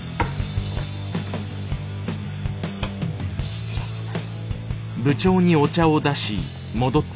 失礼します。